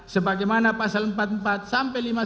sebagaimana pasal empat puluh empat sampai lima puluh satu